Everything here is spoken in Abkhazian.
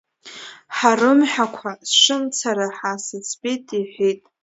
Ҳа рымҳәакәа сшымцара ҳа сыӡбит, иҳәит.